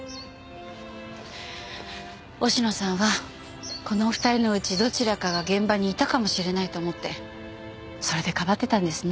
忍野さんはこのお二人のうちどちらかが現場にいたかもしれないと思ってそれでかばってたんですね。